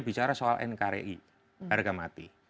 bicara soal nkri harga mati